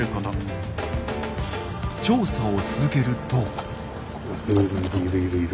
調査を続けると。